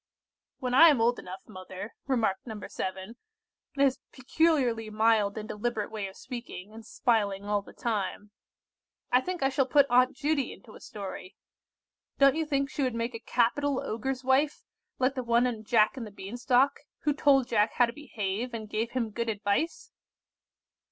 "When I am old enough, mother," remarked No. 7, in his peculiarly mild and deliberate way of speaking, and smiling all the time, "I think I shall put Aunt Judy into a story. Don't you think she would make a capital Ogre's wife, like the one in 'Jack and the Bean Stalk,' who told Jack how to behave, and gave him good advice?"